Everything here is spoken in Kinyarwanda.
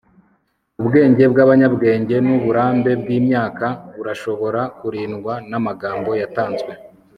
ubwenge bw'abanyabwenge, n'uburambe bw'imyaka, burashobora kurindwa n'amagambo yatanzwe